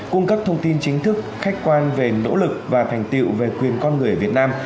cung cấp thông tin chính thức khách quan về nỗ lực và thành tiệu về quyền con người ở việt nam